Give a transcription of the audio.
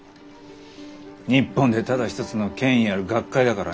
日本でただ一つの権威ある学会だからね。